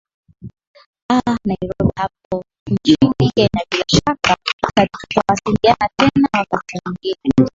aa nairobi hapo nchini kenya bila shaka tutawasiliana tena wakati mwingine